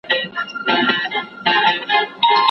چي د ده د ژوند مالي اړتیاوي دي پوره کړي.